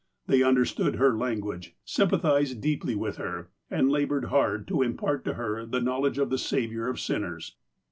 They understood her language, sympa thized deeply with her, and laboured hard to impart to her the knowledge of the Saviour of sinners.